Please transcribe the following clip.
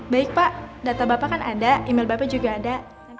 baik pak data bapak kan ada email bapak juga ada